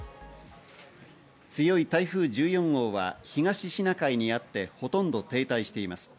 強い台風１４号は東シナ海にあってほとんど停滞しています。